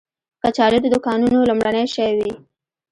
کچالو د دوکانونو لومړنی شی وي